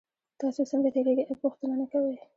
تاسو څنګه تیریږئ او پوښتنه نه کوئ